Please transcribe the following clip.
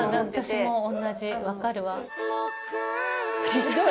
ひどい！